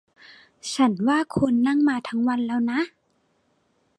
ฉันว่าคุณนั่งมาทั้งวันแล้วนะ